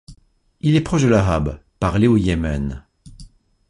Il est proche de l'Arabe parlé au Yémen.